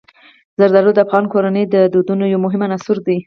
زردالو د افغان کورنیو د دودونو یو مهم عنصر دی.